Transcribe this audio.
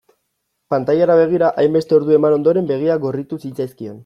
Pantailara begira hainbeste ordu eman ondoren begiak gorritu zitzaizkion.